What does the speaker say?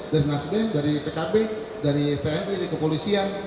dari nasdem dari pkp dari tni dari kepolisian